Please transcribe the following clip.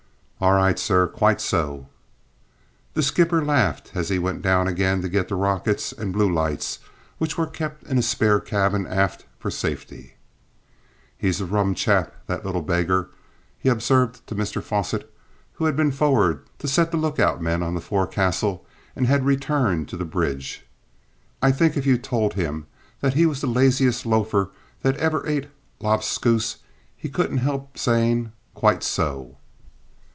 "All right, sir; quite so!" The skipper laughed as he went down again to get the rockets and blue lights which were kept in a spare cabin aft for safety. "He's a rum chap, that little beggar," he observed to Mr Fosset, who had been forward to set the look out men on the forecastle and had returned to the bridge. "I think if you told him he was the laziest loafer that ever ate lobscouse, he couldn't help saying `Quite so!'"